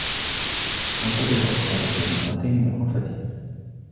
غرفته أكبر بمرتين من غرفتي.